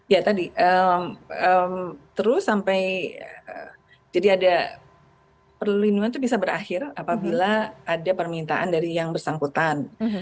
ya tadi terus sampai jadi ada perlindungan itu bisa berakhir apabila ada permintaan dari yang bersangkutan